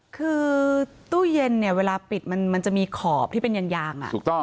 คือตู้เย็นเวลาปิดมันจะมีขอบที่เป็นยาง